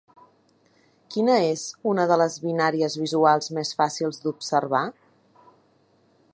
Quina és una de les binàries visuals més fàcils d'observar?